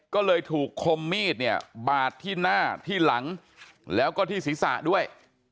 ก็เลยถูกคมมีดเนี่ยบาดที่หน้าที่หลังแล้วก็ที่ศีรษะด้วย